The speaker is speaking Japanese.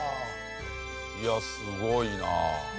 いやすごいな。